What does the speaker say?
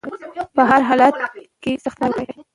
په هر حالت کې سخت کار وکړئ